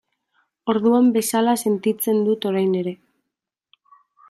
Orduan bezala sentitzen dut orain ere.